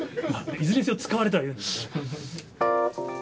いずれにせよ使われてはいるんですね。